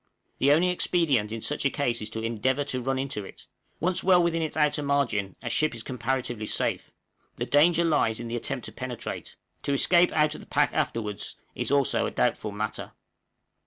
The only expedient in such a case is to endeavor to run into it once well within its outer margin a ship is comparatively safe the danger lies in the attempt to penetrate; to escape out of the pack afterwards is also a doubtful matter.